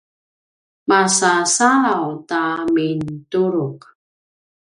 masasalaw ta mintuluq